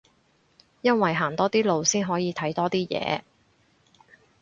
因為行多啲路先可以睇多啲嘢